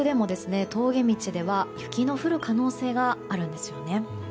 東北でも峠道では雪の降る可能性があるんですよね。